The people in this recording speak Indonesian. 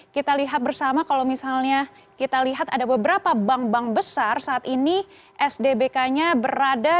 kita lihat bersama kalau misalnya kita lihat ada beberapa bank bank besar saat ini sdbk nya berada